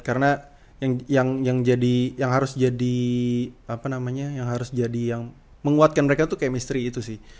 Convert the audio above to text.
karena yang harus jadi apa namanya yang harus jadi yang menguatkan mereka tuh chemistry itu sih